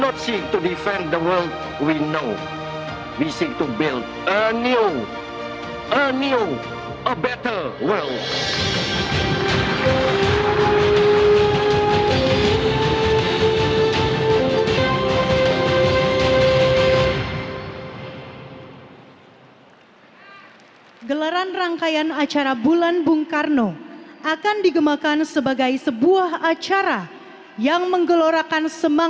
kita tidak berusaha untuk melindungi dunia yang kita kenal